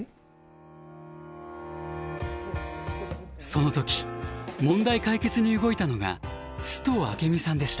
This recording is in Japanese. その時問題解決に動いたのが須藤明美さんでした。